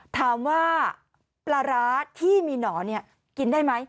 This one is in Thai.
ถามว่าปลาร้าที่มีหนอนกินได้ไหม